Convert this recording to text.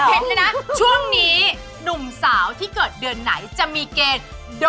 เอาเกี่ยวกับเรื่องการแฉช์